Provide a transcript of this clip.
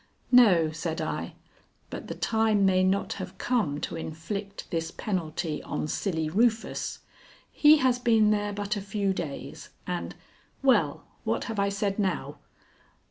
"No," said I; "but the time may not have come to inflict this penalty on Silly Rufus. He has been there but a few days, and well, what have I said now?"